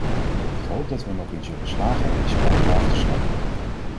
Ik hoop dat we er nog in zullen slagen deze paragraaf te schrappen.